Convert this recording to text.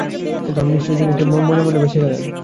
কিন্তু, আমি নিশ্চয় জানি, তিনি মনে মনে বেঁচে গেলেন।